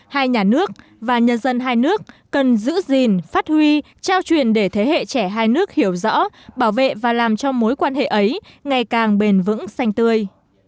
hai nhà nước và nhân dân hai nước cần giữ gìn phát huy trao truyền để thế hệ trẻ hai nước hiểu rõ bảo vệ và làm cho mối quan hệ ấy ngày càng bền vững xanh tươi